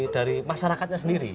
dari masyarakatnya sendiri